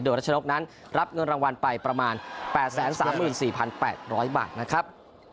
โดยรัชนกนั้นรับเงินรางวัลไปประมาณ๘๓๔๘๐๐บาทนะครับ